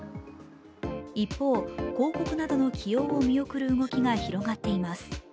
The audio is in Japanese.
一方、広告などの起用を見送る動きが広がっています。